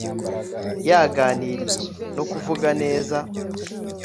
Yaganiriye no kuvuga neza